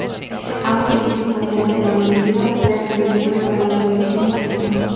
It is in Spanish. Ambos equipos nacieron de la necesidad de crear semilleros para la selección nacional.